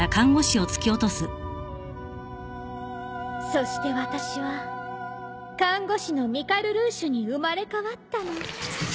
そして私は看護師のミカルルーシュに生まれ変わったの。